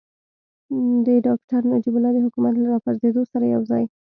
د ډاکتر نجیب الله د حکومت له راپرځېدو سره یوځای.